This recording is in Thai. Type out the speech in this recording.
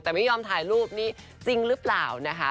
แต่ไม่ยอมถ่ายรูปนี่จริงหรือเปล่านะคะ